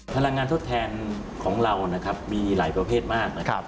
พลังงานทดแทนของเรานะครับมีหลายประเภทมากนะครับ